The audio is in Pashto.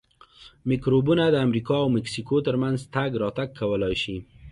میکروبونه د امریکا او مکسیکو ترمنځ تګ راتګ کولای شي.